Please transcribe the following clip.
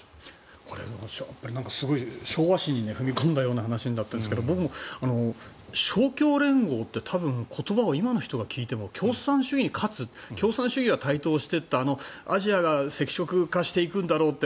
すごい、昭和史に踏み込んだような話になっているんですが僕も勝共連合って言葉を今の人が聞いても共産主義に勝つ共産主義が台頭していったアジアが赤色化していくんだろうって